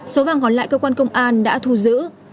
số vàng còn lại cơ quan công an đã thu giữ